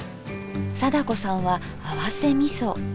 貞子さんは合わせみそ。